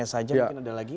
saja mungkin ada lagi